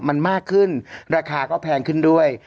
มันมากขึ้นราคาก็แพงขึ้นด้วย